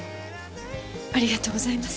ありがとうございます。